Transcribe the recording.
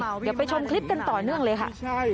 เดี๋ยวไปชมคลิปกันต่อเนื่องเลยค่ะ